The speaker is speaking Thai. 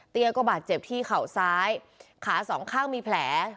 เตี้ยก็บาดเจ็บที่เหล่าขาสองข้างมีแผล